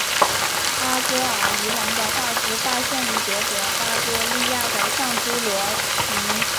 阿戈尔鱼龙的化石发现于德国巴伐利亚的上侏罗纪提通阶地层。